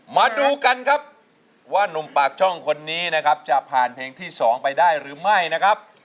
มาดูกันครับว่านุ่มปากช่องคนนี้นะครับจะผ่านเพลงที่๒ไปได้หรือไม่นะครับ